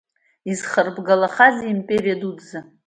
Изхарбгалахазеи аимпериа дуӡӡа…